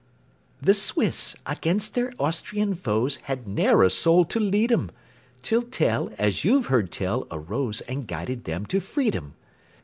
] The Swiss, against their Austrian foes, Had ne'er a soul to lead 'em, Till Tell, as you've heard tell, arose And guided them to freedom.